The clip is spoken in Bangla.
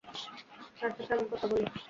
তার সাথে আমি কথা বলি।